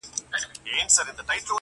څوك به اوري كرامت د دروېشانو!!